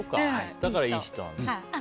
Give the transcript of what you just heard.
だからいい人なんだ。